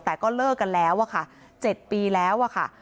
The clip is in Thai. แต่ก็เลิกกันแล้วอะค่ะ๗ปีแล้วอะค่ะ